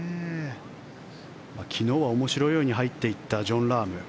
昨日は面白いように入っていったジョン・ラーム。